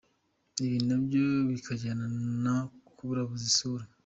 Ibi na byo bikajyana no kuburabuza asura !